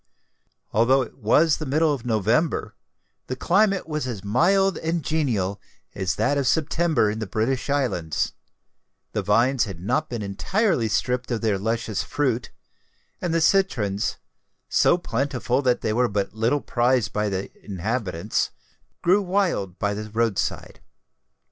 Although it was the middle of November, the climate was as mild and genial as that of September in the British Islands: the vines had not been entirely stripped of their luscious fruit; and the citrons, so plentiful that they were but little prized by the inhabitants, grew wild by the road side.